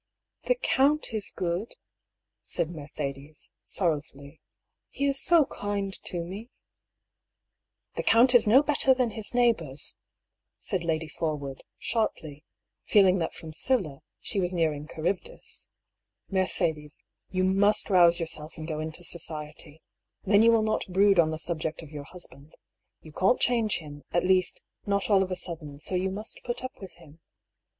" The count is good," said Mercedes, sorrowfully. " He is so kind to me I "" The count is no better than his neighbours," said Lady Forwood, sharply, feeling that from Scylla she was nearing Charybdis. " Mercedes, you must rouse your self, and go into society. Then you will not brood on the subject of your husband. You can't change him, at least, not all of a sudden, so you must put up with him."